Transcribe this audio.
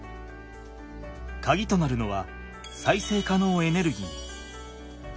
かぎとなるのは再生可能エネルギー。